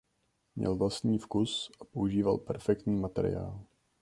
Měl vlastní vkus a používal perfektní materiál.